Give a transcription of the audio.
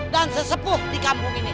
dan sesepuh di kampung ini